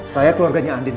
saya keluarganya andin